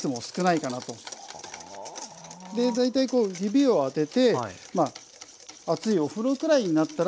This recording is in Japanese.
大体こう指を当てて熱いお風呂くらいになったら。